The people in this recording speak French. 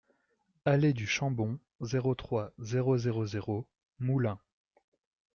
Allée du Chambon, zéro trois, zéro zéro zéro Moulins